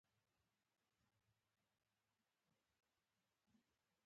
د ممپلی دانه د څه لپاره وکاروم؟